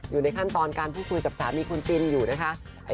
อยู่ในขั้นตอนการพูดคุยกับสามีคุณตินอยู่นะคะ